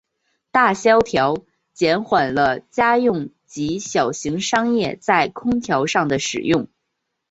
大萧条减缓了家用及小型商业在空调上的使用。